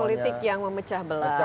politik yang memecah belah